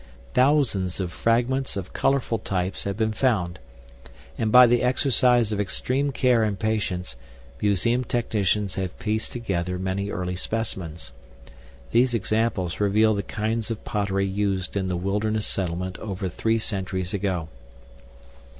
Thousands of fragments of colorful types have been found, and by the exercise of extreme care and patience, museum technicians have pieced together many early specimens. These examples reveal the kinds of pottery used in the wilderness settlement over three centuries ago.